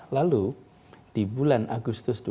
lalu di bulan agustus ini